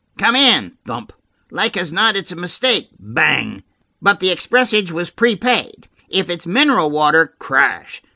"Come in"–thump–"like as not it's a mistake"–bang–"but the expressage was prepaid. If it's mineral water–" crash.